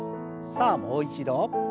さあもう一度。